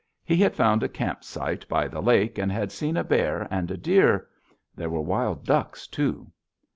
He had found a camp site by the lake and had seen a bear and a deer. There were wild ducks also.